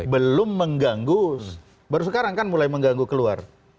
belum mengganggu baru sekarang kan mulai mengganggu keluar